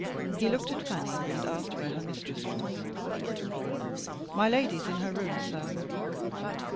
He looked at Fanny, and asked where her mistress was. "My lady is in her room, sir."